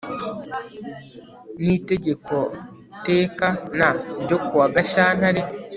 n Itegeko teka n ryo kuwa Gashyantare